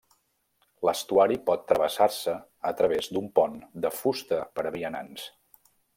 L'estuari pot travessar-se a través d'un pont de fusta per a vianants.